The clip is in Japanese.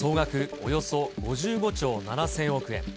およそ５５兆７０００億円。